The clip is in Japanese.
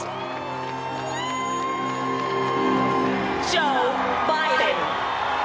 ジョー・バイデン。